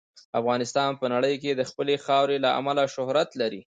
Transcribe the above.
افغانستان په نړۍ کې د خپلې خاورې له امله شهرت لري.